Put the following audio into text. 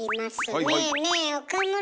ねえねえ岡村。